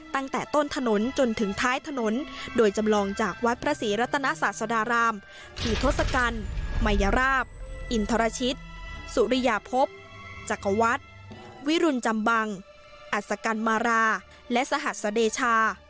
ตั้งแต่ต้นถนนจนถึงท้ายถนนโดยจำลองจากวัดพระศรีรัตนศาสดารามคือทศกัณฐ์มัยราบอินทรชิตสุริยาพบจักรวรรดิวิรุณจำบังอัศกัณมาราและสหัสเดชา